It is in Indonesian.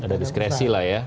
ada diskresi lah ya